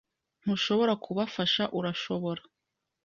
Ntushobora kubufasha, urashobora?